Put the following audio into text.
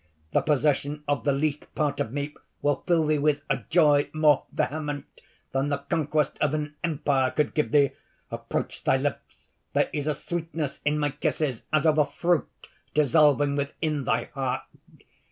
The possession of the least part of me will fill thee with a joy more vehement than the conquest of an Empire could give thee! Approach thy lips: there is a sweetness in my kisses as of a fruit dissolving within thy heart.